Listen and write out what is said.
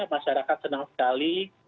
masyarakat senang sekali